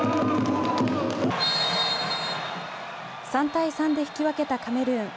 ３対３で引き分けたカメルーン。